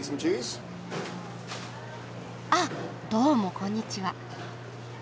あっどうもこんにちは。